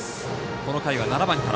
この回は７番から。